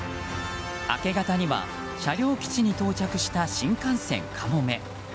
明け方には、車両基地に到着した新幹線「かもめ」。